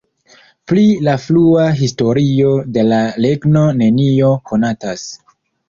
Pri la frua historio de la regno nenio konatas.